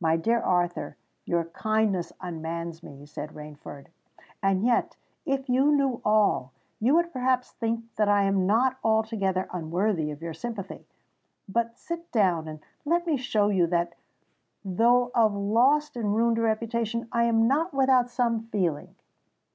"My dear Arthur, your kindness unmans me," said Rainford; "and yet—if you knew all—you would perhaps think that I am not altogether unworthy of your sympathy! But, sit down, and let me show you that, though of lost and ruined reputation, I am not without some feeling!"